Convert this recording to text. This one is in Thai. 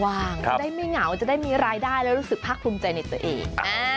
จะได้ไม่เหงาจะได้มีรายได้แล้วรู้สึกภาคภูมิใจในตัวเอง